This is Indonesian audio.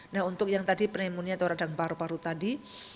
nah untuk yang tadi pneumonia atau radang paru paru tadi